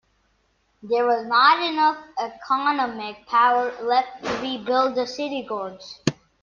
There was not enough economic power left to rebuild the city guards.